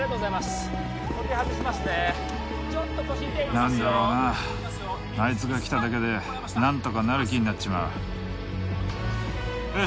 何だろうなあいつが来ただけで何とかなる気になっちまうよし